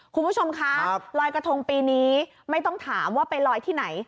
คุณผู้ชมคะลอยกระทงปีนี้ไม่ต้องถามว่าไปลอยที่ไหน